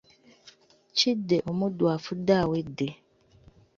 Kidde omuddu afudde awedde.